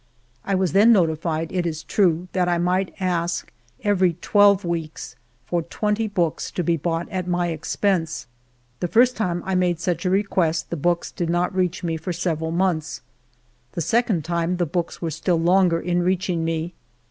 I was then notified, it is true, that I might ask every twelve weeks for twenty books, to be bought at my expense. The first time I made such a request the books did not reach me for several months. The second time the books were still longer in reaching me.